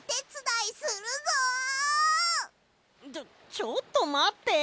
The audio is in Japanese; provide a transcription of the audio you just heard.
ちょっとまって。